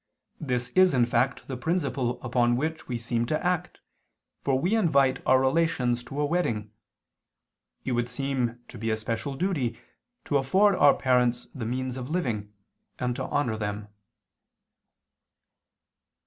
This is in fact the principle upon which we seem to act, for we invite our relations to a wedding ... It would seem to be a special duty to afford our parents the means of living ... and to honor them."